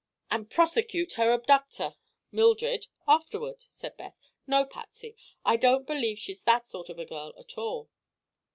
"And prosecute her abductor, Mildred, afterward," said Beth. "No, Patsy; I don't believe she's that sort of a girl, at all."